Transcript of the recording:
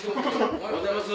おはようございます。